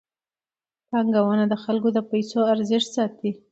بانکونه د خلکو د پيسو ارزښت ساتي.